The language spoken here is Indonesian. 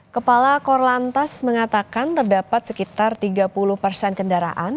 kepala korlantas mengatakan terdapat sekitar tiga puluh persen kendaraan